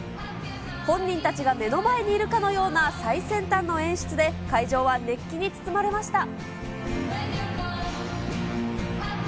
本人たちが目の前にいるかのような最先端の演出で、会場は熱気に包まれました。